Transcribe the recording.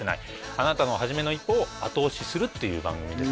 あなたの初めの一歩を後押しするっていう番組ですね